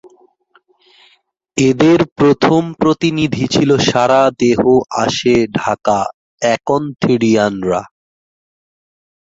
এদের প্রথম প্রতিনিধি ছিল সারা দেহ আঁশে ঢাকা অ্যাকান্থোডিয়ান-রা।